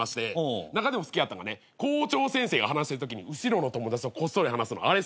中でも好きやったんがね校長先生が話してるときに後ろの友達とこっそり話すのあれ好きやったんすよ。